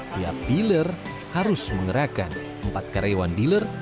tiap dealer harus mengerahkan empat karyawan dealer